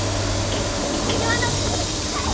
今の気持ち返せ！